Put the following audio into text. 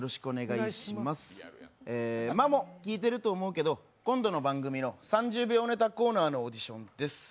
聞いてると思うけど今度の番組の３０秒のオーディションです。